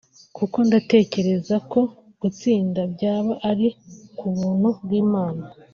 kuko ndatekereza ko gutsinda byaba ari ku buntu bw’Imana